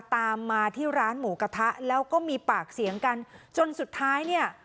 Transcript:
ตามมาที่ร้านหมูกระทะแล้วก็มีปากเสียงกันจนสุดท้ายเนี่ย